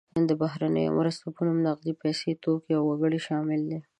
د بهرنیو مرستو په نوم نغدې پیسې، توکي او وګړي شامل دي.